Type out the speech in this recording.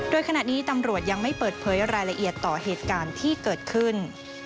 โดยขณะนี้ตำรวจยังไม่เปิดเผยรายละเอียดต่อเหตุการณ์ที่เกิดขึ้น